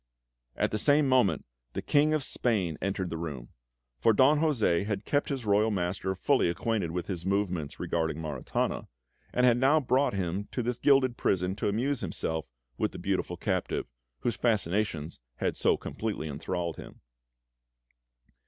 At the same moment, the King of Spain entered the room; for Don José had kept his royal master fully acquainted with his movements regarding Maritana, and had now brought him to this gilded prison to amuse himself with the beautiful captive, whose fascinations had so completely enthralled him.